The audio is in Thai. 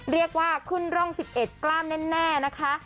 เรียกว่าขึ้นร่อง๑๑กล้ามแน่นะคะ